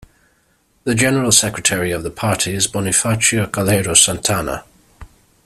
The general secretary of the party is Bonifacio Calero Santana.